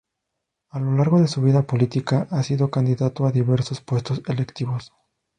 A lo largo de su vida política ha sido candidato a diversos puestos electivos.